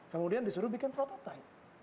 kemudian disuruh bikin prototipe